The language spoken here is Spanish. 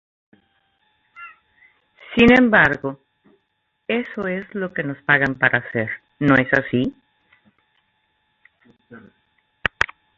Sin embargo, eso es lo que nos pagan para hacer, ¿no es así?